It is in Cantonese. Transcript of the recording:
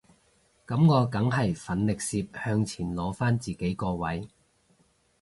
噉我梗係奮力攝向前攞返自己個位